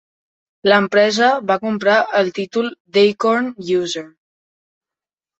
L'empresa va comprar el títol d'Acorn User.